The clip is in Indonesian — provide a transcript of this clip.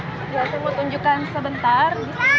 saya mau tunjukkan sebentar